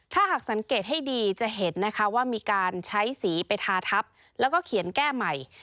ถ้าหากสังเกตให้ดีจะเห็นนะคะว่ามีการใช้สีไปทาทับแล้วก็เขียนแก้ใหม่